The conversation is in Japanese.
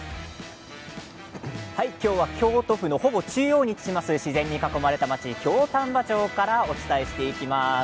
今日は京都府のほぼ中央に位置する自然に囲まれた町京丹波町に来ています。